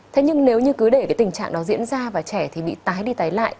thế nhưng nếu như cứ để cái tình trạng đó diễn ra và trẻ thì bị tái đi tái lại